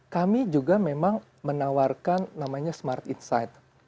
kami juga memang menawarkan namanya smart insight